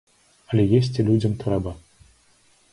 Але есці людзям трэба.